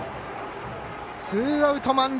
ツーアウト、満塁。